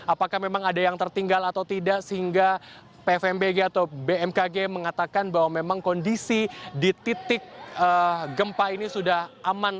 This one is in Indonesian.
apakah memang ada yang tertinggal atau tidak sehingga pfmbg atau bmkg mengatakan bahwa memang kondisi di titik gempa ini sudah aman